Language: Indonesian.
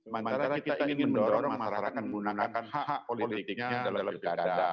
maka kita ingin mendorong masyarakat menggunakan hak hak politiknya dalam pilkada